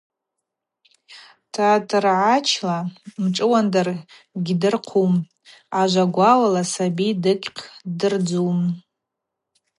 Татыргӏачла мшӏуандыр гьдырхъум, ажва гвауала асаби дыгьхъдырдзум.